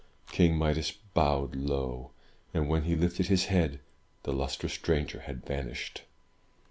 King Midas bowed low; and when he lifted his head, the lustrous stranger had vanished.